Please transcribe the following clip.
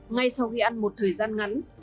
ngay sau khi ăn một thời gian ngắn